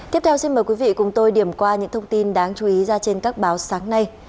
tiếp theo xin mời quý vị cùng tôi điểm qua những thông tin đáng chú ý ra trên các báo sáng nay